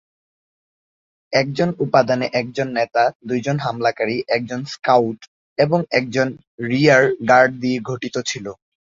একটি উপাদানে একজন নেতা, দুইজন হামলাকারী, একজন স্কাউট, এবং একজন রিয়ার-গার্ড দিয়ে গঠিত ছিল।